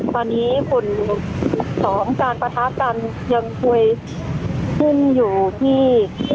ตอนนี้ขุนสองการประทับกันยังคุยขึ้นอยู่ที่